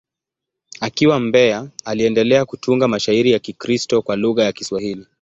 Akiwa Mbeya, aliendelea kutunga mashairi ya Kikristo kwa lugha ya Kiswahili.